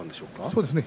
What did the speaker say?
そうですね